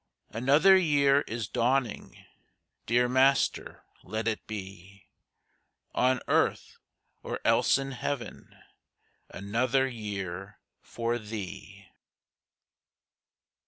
Another year is dawning! Dear Master, let it be On earth, or else in heaven, Another year for Thee!